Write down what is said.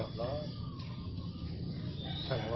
มาเซลเลียวคืนตะเปอ